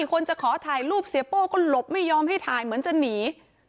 คนจะขอถ่ายรูปเสียโป้ก็หลบไม่ยอมให้ถ่ายเหมือนจะหนี